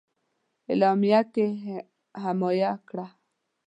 اعلامیه کې حمایه کړه.